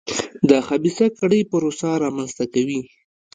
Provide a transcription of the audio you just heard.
د خبیثه کړۍ پروسه رامنځته کوي.